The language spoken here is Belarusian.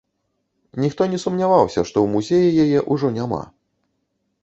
Ніхто не сумняваўся, што ў музеі яе ўжо няма.